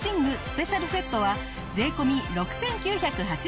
スペシャルセットは税込６９８０円。